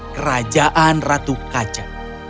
kerajaan ratu kaca